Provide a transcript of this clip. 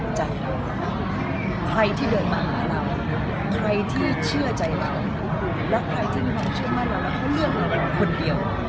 ใครที่เดินมาหาเราใครที่เชื่อใจเราและใครที่มันเชื่อมาแล้วแล้วเขาเลือกคนเดียว